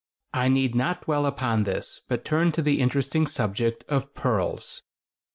I need not dwell upon this, but turn to the interesting subject of pearls.